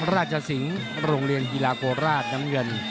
ราชสิงห์โรงเรียนกีฬาโคราชน้ำเงิน